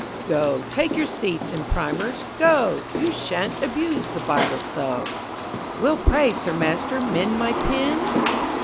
_ Go, take your seats and primers, go, You sha'n't abuse the Bible so. _Will pray Sir Master mend my pen?